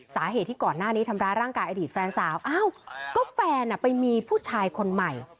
สาเหตุที่ก่อนหน้านี้ทำร้ายร่างกายอดีตแฟนสาวอ้าวก็แฟนไปมีผู้ชายคนใหม่